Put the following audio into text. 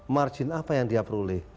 margin apa yang dia peroleh